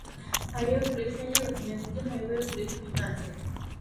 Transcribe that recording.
Highway police রেঞ্জের অধীনে দুটি হাইওয়ে পুলিশ উইং আছে।